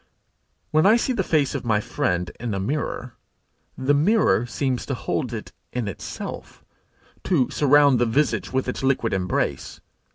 When I see the face of my friend in a mirror, the mirror seems to hold it in itself, to surround the visage with its liquid embrace.